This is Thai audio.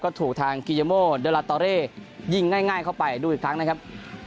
ก็ถูกทางกิเยโมเดอลาตอเร่ยิงง่ายเข้าไปดูอีกครั้งนะครับ